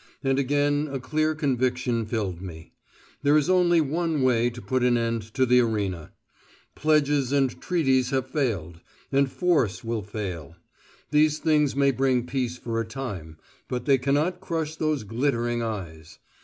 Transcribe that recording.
And again a clear conviction filled me. There is only one way to put an end to the arena. Pledges and treaties have failed; and force will fail. These things may bring peace for a time, but they cannot crush those glittering eyes.